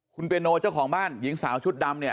คุณเปียโนเจ้าของบ้านหญิงสาวชุดดำเนี่ย